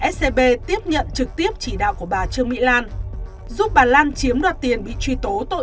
scb tiếp nhận trực tiếp chỉ đạo của bà trương mỹ lan giúp bà lan chiếm đoạt tiền bị truy tố tội